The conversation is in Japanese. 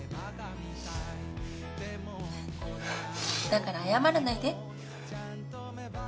だから謝らないで。